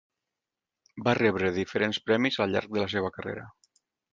Va rebre diferents premis al llarg de la seva carrera.